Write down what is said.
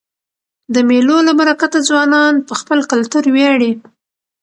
د مېلو له برکته ځوانان په خپل کلتور وياړي.